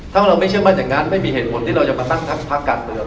ถ้าเราไม่เชื่อมั่นอย่างนั้นไม่มีเหตุผลที่เราจะมาตั้งพักการเมือง